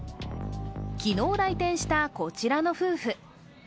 昨日来店した、こちらの夫婦。